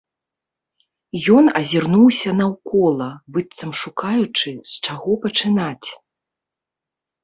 Ён азірнуўся наўкола, быццам шукаючы, з чаго пачынаць.